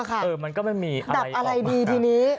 ที่นี้ดับอะไรดี